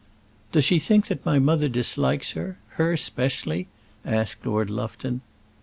"Does she think that my mother dislikes her her specially?" asked Lord Lufton.